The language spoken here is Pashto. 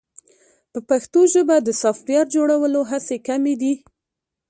په پښتو ژبه د سافټویر جوړولو هڅې کمې دي.